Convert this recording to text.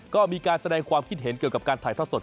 ก็มีการแสดงความคิดเห็นเกี่ยวกับการถ่ายทอดสด